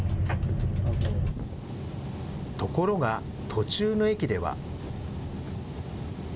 ところが、途中の駅では。